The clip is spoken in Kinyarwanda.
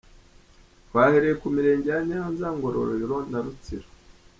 Twahereye ku Mirenge ya Nyanza, Ngororero na Rutsiro’’.